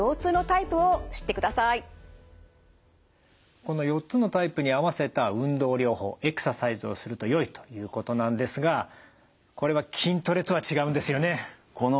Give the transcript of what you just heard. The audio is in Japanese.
この４つのタイプに合わせた運動療法エクササイズをするとよいということなんですがこれは筋トレとは違うんですよね。